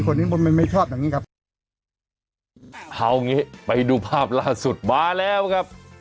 คนนี้มันไม่ชอบอย่างงี้ครับเอางี้ไปดูภาพล่าสุดมาแล้วครับ